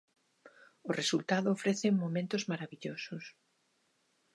O resultado ofrece momentos marabillosos.